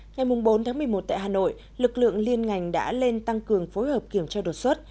ngày bốn một mươi một tại hà nội lực lượng liên ngành đã lên tăng cường phối hợp kiểm tra đột xuất